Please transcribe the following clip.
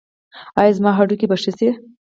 ایا زما هډوکي به ښه شي؟